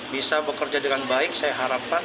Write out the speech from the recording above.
bisa bekerja dengan baik saya harapkan